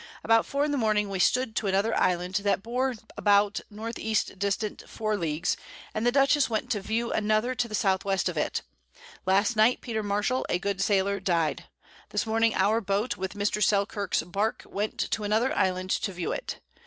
About 4 in the Morning we stood to another Island, that bore about N. E. distant 4 Leagues, and the Dutchess went to view another to the S. W. of it. Last Night Peter Marshal a good Sailor died. This Morning our Boat with Mr. Selkirk's Bark went to another Island to view it.